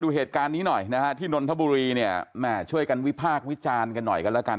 เหตุการณ์นี้หน่อยนะฮะที่นนทบุรีเนี่ยแม่ช่วยกันวิพากษ์วิจารณ์กันหน่อยกันแล้วกัน